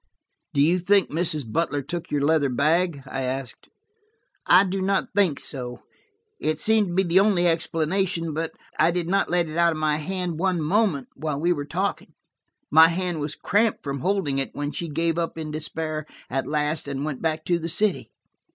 "Do you think Mrs. Butler took your leather bag?" I asked. "I do not think so. It seems to be the only explanation, but I did not let it out of my hand one moment while we were talking. My hand was cramped from holding it, when she gave up in despair at last, and went back to the city."